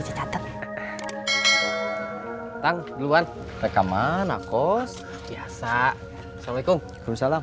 jekang ulang rekaman aku biasa assalamu'alaikum your salam